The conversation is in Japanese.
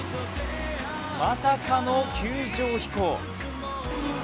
まさかの球場飛行。